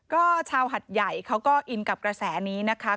ก็ชาวหัดใหญ่เขาก็อินกับกระแสนี้นะคะ